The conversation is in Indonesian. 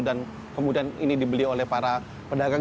dan kemudian ini dibeli oleh para pedagang